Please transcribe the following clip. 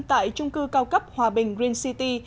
tại trung cư cao cấp hòa bình green city